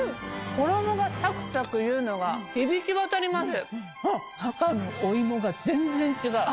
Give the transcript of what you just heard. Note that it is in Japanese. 衣がサクサクいうのが響き渡ります。